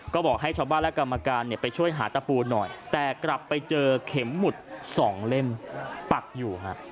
ก็บอกให้ชาวบ้านและกรรมการไปช่วยหาตะปูหน่อยแต่กลับไปเจอเข็มหมุด๒เล่มปักอยู่ฮะ